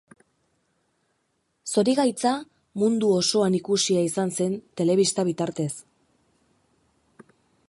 Zorigaitza mundu osoan ikusia izan zen telebista bitartez.